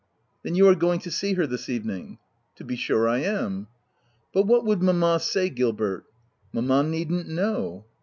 H Then you are going to see her this evening ?"'" To be sure I am V 9 " But what would mamma say, Gilbert ?"" Mamma need'nt know."